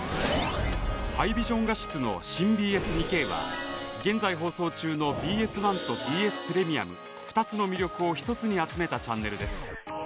ハイビジョン画質の新ＢＳ２Ｋは現在、放送中のＢＳ１とＢＳプレミアム２つの魅力を１つに集めたチャンネルです。